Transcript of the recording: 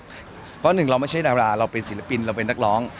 เพราะหนึ่งเราไม่ใช่ดาราเราเป็นศิลปินเราเป็นนักร้อง